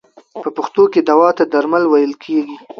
په پښتو کې دوا ته درمل ویل کیږی.